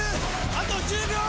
あと１０秒！